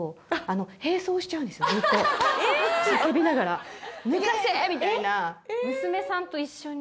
叫びながら「抜かせ！」みたいな娘さんと一緒に？